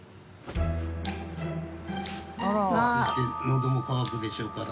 暑くてのども渇くでしょうから。